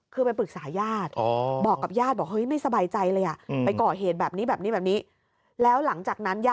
คือไปปรึกษายาธิ์บอกกับย่าธิ์ไม่สบายใจเลยอะ